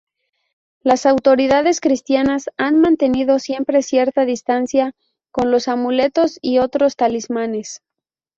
Las autoridades cristianas han mantenido siempre cierta distancia con los amuletos y otros talismanes.